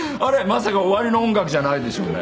まさか終わりの音楽じゃないでしょうね？